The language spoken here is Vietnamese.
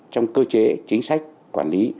trong cơ chế chính sách quản lý